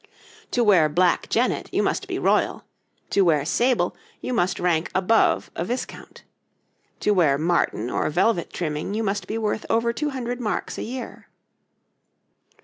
To wear black genet you must be royal; to wear sable you must rank above a viscount; to wear marten or velvet trimming you must be worth over two hundred marks a year.